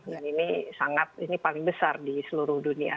ini sangat ini paling besar di seluruh dunia